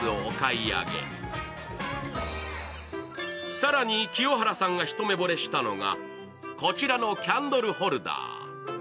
更に、清原さんが一目ぼれしたのがこちらのキャンドルホルダー。